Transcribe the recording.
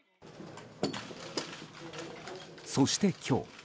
そして、今日。